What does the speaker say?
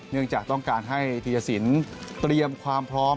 เนื่องจากต้องการให้ธีรสินเตรียมความพร้อม